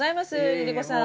ＬｉＬｉＣｏさん！